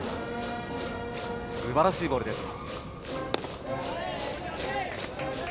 すばらしいボールでした。